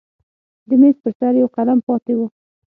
د میز پر سر یو قلم پاتې و.